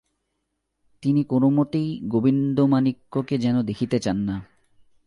তিনি কোনোমতেই গোবিন্দমাণিক্যকে যেন দেখিতে চান না।